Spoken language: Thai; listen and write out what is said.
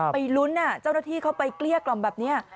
ไปลุ้นเจ้าหน้าที่เข้าไปเกลี้ยกล่อมแบบนี้